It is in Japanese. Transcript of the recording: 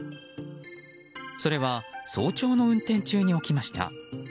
それは早朝の運転中に起きました。